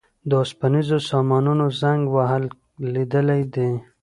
د اوسپنیزو سامانونو زنګ وهل لیدلي دي.